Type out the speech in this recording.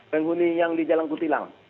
penghuni yang di jalan kutilang